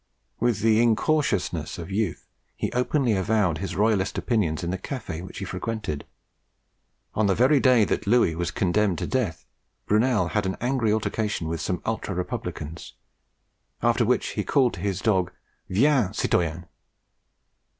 With the incautiousness of youth he openly avowed his royalist opinions in the cafe which he frequented. On the very day that Louis was condemned to death, Brunel had an angry altercation with some ultra republicans, after which he called to his dog, "Viens, citoyen!"